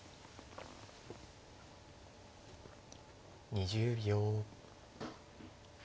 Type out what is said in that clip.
２０秒。